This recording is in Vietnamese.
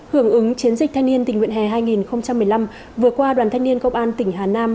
hưởng ứng chiến dịch thanh niên tình nguyện hè hai nghìn một mươi năm vừa qua đoàn thanh niên công an tỉnh hà nam